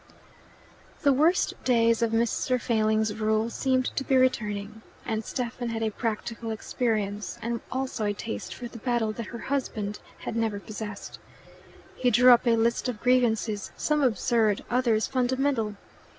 The worst days of Mr. Failing's rule seemed to be returning. And Stephen had a practical experience, and also a taste for battle, that her husband had never possessed. He drew up a list of grievances, some absurd, others fundamental.